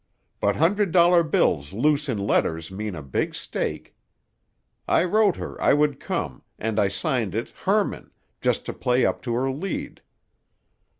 "But hundred dollar bills loose in letters mean a big stake. I wrote her I would come, and I signed it 'Hermann', just to play up to her lead.